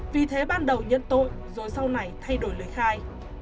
vì thế ban đầu nhận tội rồi sau này thay đổi lời khai